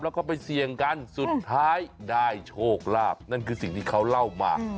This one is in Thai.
แล้วก็ไปเสี่ยงกันสุดท้ายได้โชคลาภนั่นคือสิ่งที่เขาเล่ามา